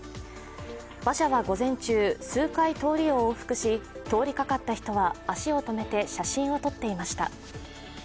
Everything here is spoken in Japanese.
馬車は午前中、数回通りを往復し、通りかかった人は足を止めて写真を撮っていました。